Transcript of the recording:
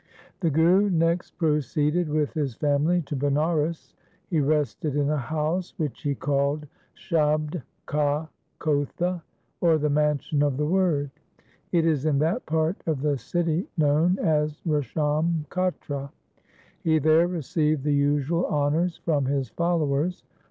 The Guru next proceeded with his family to Banaras. He rested in a house which he called Shabd ka kotha, or the mansion of the Word. It is in that part of the city known as Resham Katra. He there received the usual honours from his followers.